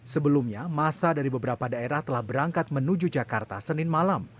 sebelumnya masa dari beberapa daerah telah berangkat menuju jakarta senin malam